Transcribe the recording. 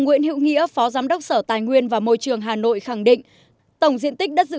nguyễn hữu nghĩa phó giám đốc sở tài nguyên và môi trường hà nội khẳng định tổng diện tích đất dự